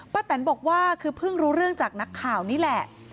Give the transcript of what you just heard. แตนบอกว่าคือเพิ่งรู้เรื่องจากนักข่าวนี่แหละ